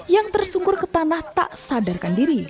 yang tersungkur ke tanah tak sadarkan diri